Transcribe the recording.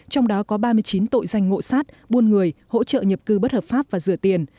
trong đó có ba mươi chín tội danh ngộ sát buôn người hỗ trợ nhập cư bất hợp pháp và rửa tiền